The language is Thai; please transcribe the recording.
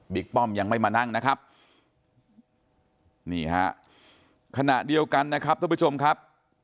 ป้อมยังไม่มานั่งนะครับนี่ฮะขณะเดียวกันนะครับท่านผู้ชมครับ